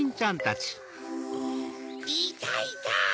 いたいた！